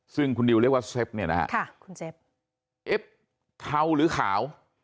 ซึ่งคุณดิวเรียกว่าเซฟเนี่ยนะฮะเอ๊ะเทาหรือขาว